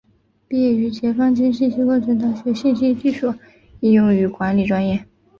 毕业于解放军信息工程大学信息技术应用与管理专业。